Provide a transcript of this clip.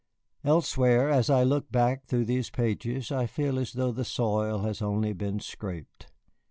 Elsewhere, as I look back through these pages, I feel as though the soil had only been scraped.